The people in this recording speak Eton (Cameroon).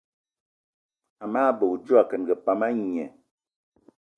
Amage bè odjo akengì pam a ngné.